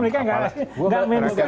mereka enggak mainstream ya pak